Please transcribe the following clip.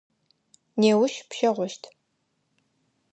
Неущ пщэгъощт.